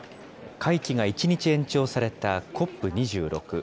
会期が１日延長されたＣＯＰ２６。